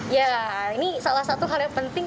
ya ini salah satu hal yang penting